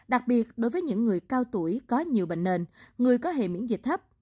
đặc biệt đối với những người cao tuổi có nhiều bệnh nền người có hề miễn dịch thấp